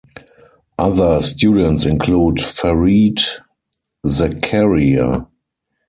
Other students include Fareed Zakaria.